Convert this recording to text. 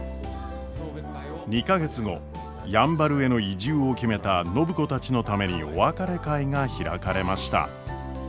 ２か月後やんばるへの移住を決めた暢子たちのためにお別れ会が開かれました。